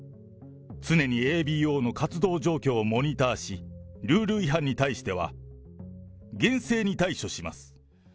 常にＡＢＯの活動状況をモニターし、ルール違反に対しては厳正に対処します。